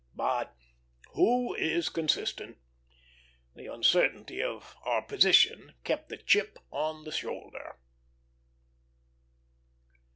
But who is consistent? The uncertainty of our position kept the chip on the shoulder.